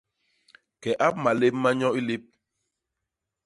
Ke ap malép ma nyo i lép!